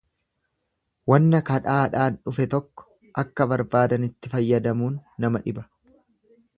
Wanna kadhaadhaan dhufe tokko akka barbaadanitti fayyadamuun nama dhiba.